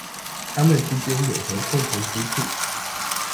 它們之間有何共同之處？